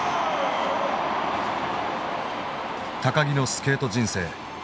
木のスケート人生。